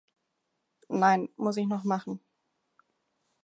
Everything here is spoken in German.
Nein, muss ich noch machen.